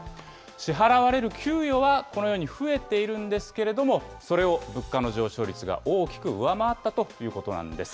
支払われる給与は、このように増えているんですけれども、それを物価の上昇率が大きく上回ったということなんです。